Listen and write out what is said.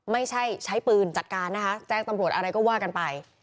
ไม่ใช่ใช้ปืนจัดการนะคะแจ้งตำรวจอะไรก็ว่ากันไป